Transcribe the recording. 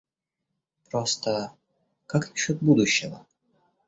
Просто… - Как насчет будущего?